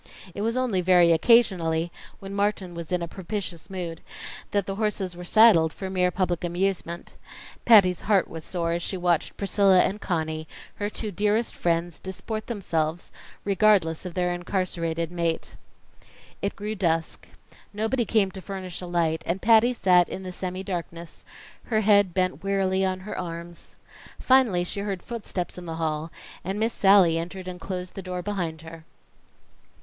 It was only very occasionally, when Martin was in a propitious mood, that the horses were saddled for mere public amusement. Patty's heart was sore as she watched Priscilla and Conny, her two dearest friends, disport themselves regardless of their incarcerated mate. It grew dusk; nobody came to furnish a light, and Patty sat in the semi darkness, her head bent wearily on her arms. Finally she heard footsteps in the hall, and Miss Sallie entered and closed the door behind her.